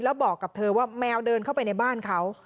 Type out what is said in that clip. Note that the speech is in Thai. แล้วบอกกับเธอว่าแมวเดินเข้าไปในบ้านเขา